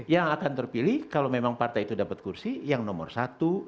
yang akan terpilih kalau memang partai itu dapat kursi yang nomor satu